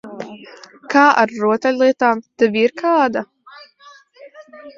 Kā ar rotaļlietām? Tev ir kāda?